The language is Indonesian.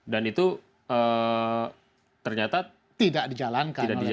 dan itu ternyata tidak dijalankan oleh pemerintah